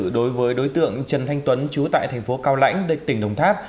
đối với đối tượng trần thanh tuấn chú tại thành phố cao lãnh tỉnh đồng tháp